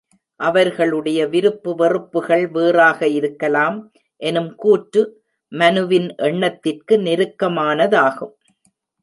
அவர்களுடைய விருப்பு வெறுப்புகள் வேறாக இருக்கலாம் எனும் கூற்று மனுவின் எண்ணத்திற்கு நெருக்கமானதாகும்.